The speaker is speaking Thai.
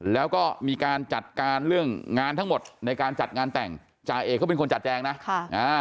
แล้วก็มีการจัดการเรื่องงานทั้งหมดในการจัดงานแต่งจ่าเอกเขาเป็นคนจัดแจงนะค่ะอ่า